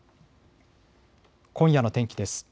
今夜の天気です。